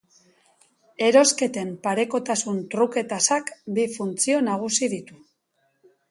Erosketen parekotasun truke-tasak bi funtzio nagusi ditu.